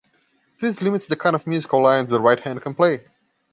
This limits the kind of musical lines the right hand can play.